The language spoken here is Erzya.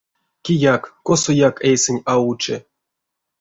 Кияк косояк эйсэнь а учи.